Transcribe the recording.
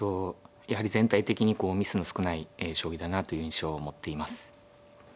やはり全体的にこうミスの少ない将棋だなという印象を持っています。